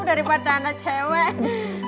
daripada anak cewek